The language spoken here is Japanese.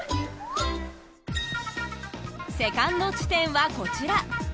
セカンド地点はこちら。